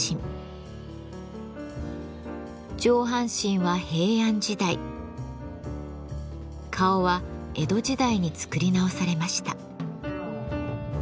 上半身は平安時代顔は江戸時代に造り直されました。